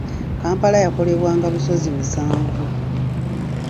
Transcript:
Kampala yakolebwanga obusozi musanvu.